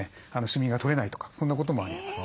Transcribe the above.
シミが取れないとかそんなこともあります。